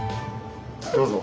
どうぞ。